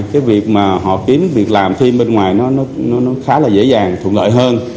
cái việc mà họ kiếm việc làm phim bên ngoài nó khá là dễ dàng thuận lợi hơn